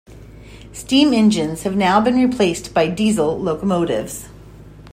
Steam engines have now been replaced by diesel locomotives.